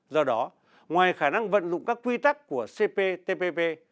do đó ngoài khả năng vận dụng các quy tắc của cptpp